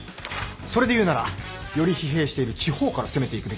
それで言うならより疲弊している地方から攻めていくべきだろ。